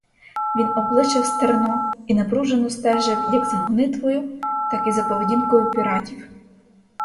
Він облишив стерно і напружено стежив як за гонитвою, так і за поведінкою піратів.